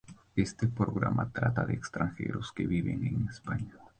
Este programa trata de extranjeros que viven en España.